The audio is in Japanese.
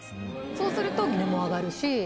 そうすると値も上がるし。